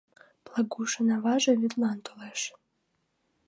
Плагушын аваже вӱдлан толеш.